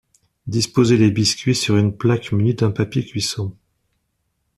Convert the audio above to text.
Disposez les biscuits sur une plaque munie d’un papier cuisson.